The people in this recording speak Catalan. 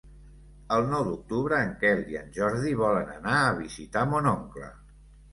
El nou d'octubre en Quel i en Jordi volen anar a visitar mon oncle.